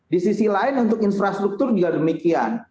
di sisi lain untuk infrastruktur juga demikian